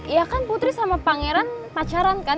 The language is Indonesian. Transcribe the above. ya kan putri sama pangeran pacaran kan